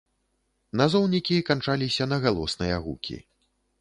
Назоўнікі канчаліся на галосныя гукі.